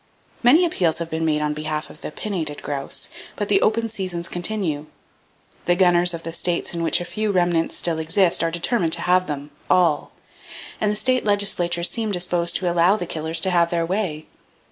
Many appeals have been made in behalf of the pinnated grouse; but the open seasons continue. The gunners of the states in which a few remnants still exist are determined to have them, all; and the state legislatures seem disposed to allow the killers to have their way.